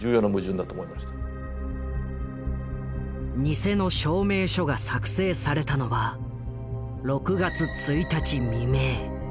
偽の証明書が作成されたのは６月１日未明。